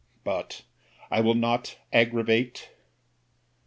—But I will not aggravate!